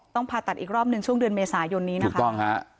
ผ่าตัดอีกรอบหนึ่งช่วงเดือนเมษายนนี้นะคะถูกต้องฮะ